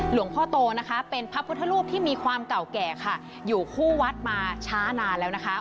หลวงพ่อโตนะคะเป็นพระพุทธรูปที่มีความเก่าแก่ค่ะอยู่คู่วัดมาช้านานแล้วนะคะ